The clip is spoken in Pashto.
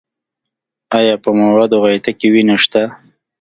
ایا په موادو غایطه کې وینه شته؟